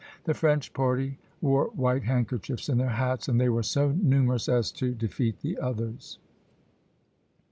The French party wore white handkerchiefs in their hats, and they were so numerous as to defeat the others.